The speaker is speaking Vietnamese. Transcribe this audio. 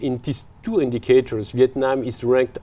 như trong quá trình xưa